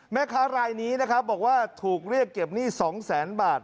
แม่ค้ารายนี้นะครับบอกว่าถูกเรียกเก็บหนี้๒แสนบาท